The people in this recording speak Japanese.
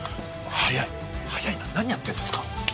早い早いな何やってんですか？